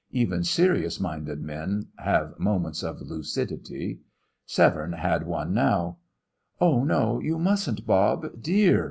Even serious minded men have moments of lucidity. Severne had one now. "Oh, no, you mustn't, Bob dear!"